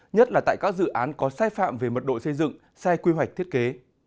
nhất là tại các dự án có sai phạm về mật độ xây dựng sai quy hoạch thiết kế